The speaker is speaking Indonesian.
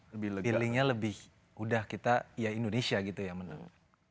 feelingnya lebih udah kita ya indonesia gitu ya menang